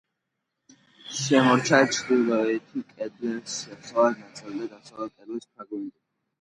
შემორჩა ჩრდილოეთი კედლის დასავლეთი ნაწილი და დასავლეთი კედლის ფრაგმენტი.